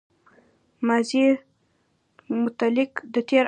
ماضي مطلق د تېر عمل نتیجه ښکاره کوي.